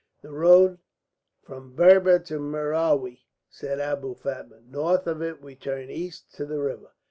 "The road from Berber to Merowi," said Abou Fatma. "North of it we turn east to the river.